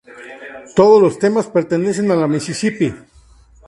Todos los temas pertenecen a La Mississippi.